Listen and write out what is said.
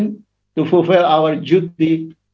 untuk memenuhi tugas kita